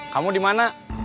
kamu di mana